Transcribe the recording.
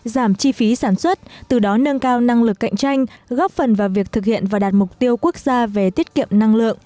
giảm chi phí sản xuất từ đó nâng cao năng lực cạnh tranh góp phần vào việc thực hiện và đạt mục tiêu quốc gia về tiết kiệm năng lượng